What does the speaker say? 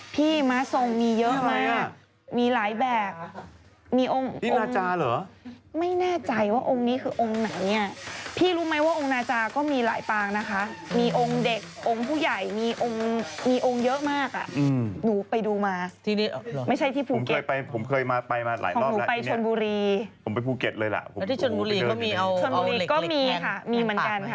พี่ม้าทรงมีเยอะมากมีหลายแบบ